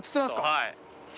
はい。